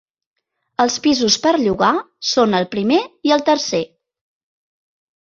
Els pisos per llogar són el primer i el tercer.